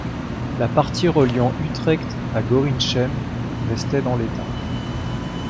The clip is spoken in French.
La partie reliant Utrecht à Gorinchem restait dans l'état.